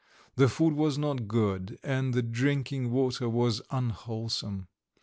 The food was not good, and the drinking water was unwholesome.